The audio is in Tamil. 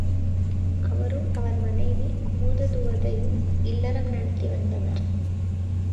அவரும் அவர் மனைவி குமுததுவதையும் இல்லறம் நடத்தி வந்தனர்.